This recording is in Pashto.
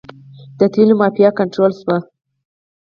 د تیلو مافیا کنټرول شوې؟